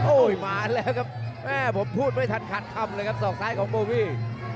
โอ้โหมาแล้วครับแม่ผมพูดไม่ทันขาดคำเลยครับศอกซ้ายของโบวี่